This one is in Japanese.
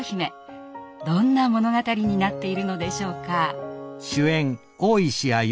どんな物語になっているのでしょうか。